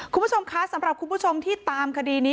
คุณผู้ชมคะสำหรับคุณผู้ชมที่ตามคดีนี้